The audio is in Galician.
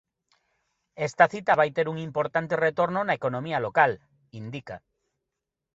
Esta cita vai ter un importante retorno na economía local, indica.